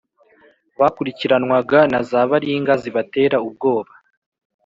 bakurikiranwaga na za baringa zibatera ubwoba,